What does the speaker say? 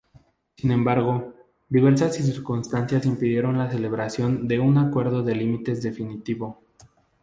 Sin embargo, diversas circunstancias impidieron la celebración de un acuerdo de límites definitivo.